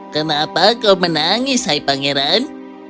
kenapa kau menangis hai pangeran